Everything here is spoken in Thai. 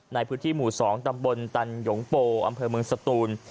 ในพื้นที่หมู่๒ตำบลตันหยงโปอำเภอเมืองสตูน